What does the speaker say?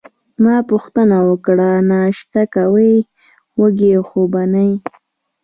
ما پوښتنه وکړه: ناشته کوې، وږې خو به نه یې؟